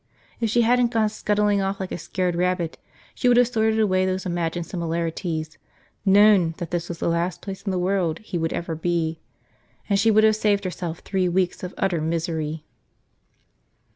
If she hadn't gone scuttling off like a scared rabbit, she would have sorted away those imagined similarities, known that this was the last place in the world he would ever be. And she would have saved herself three weeks of utter misery.